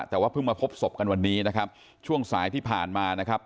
แต่ว่าเพิ่งมาพบศพกันวันนี้นะครับช่วงสายที่ผ่านมานะครับ